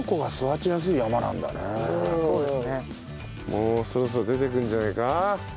もうそろそろ出てくるんじゃないか？